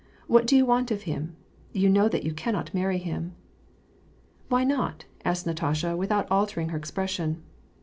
What do you want of him ? You know that you cannot marry him.'' " Why not ?'* asked Natasha, without altering her expres sion.